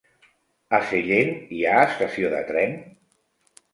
A Sellent hi ha estació de tren?